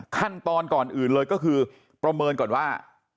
ขั้นตอนก่อนอื่นเลยก็คือประเมินก่อนว่า